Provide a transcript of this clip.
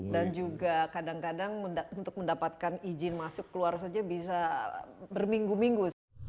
dan juga kadang kadang untuk mendapatkan izin masuk keluar saja bisa berminggu minggu